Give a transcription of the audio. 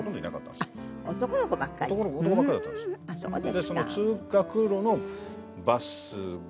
でその通学路のバスが。